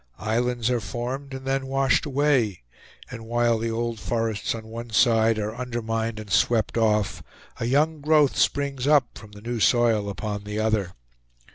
Islands are formed, and then washed away; and while the old forests on one side are undermined and swept off, a young growth springs up from the new soil upon the other.